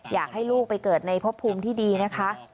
อยากให้ลูกไปเกิดในพบภูมิที่ดีนะคะ